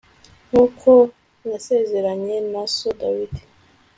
nk'uko nasezeranye na so dawidi